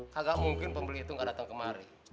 kagak mungkin pembeli itu nggak datang kemari